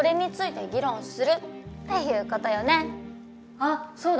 あっそうだ。